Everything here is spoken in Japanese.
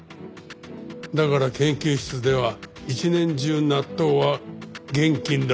だから研究室では一年中納豆は厳禁だ。